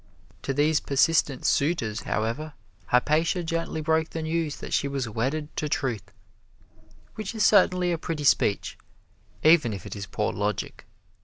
To these persistent suitors, however, Hypatia gently broke the news that she was wedded to truth, which is certainly a pretty speech, even if it is poor logic.